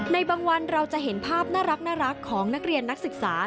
ในบางวันเราจะเห็นภาพน่ารักของนักเรียนนักศึกษา